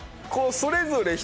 それぞれ。